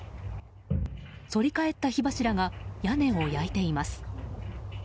反り返った火柱が屋根を焼いています。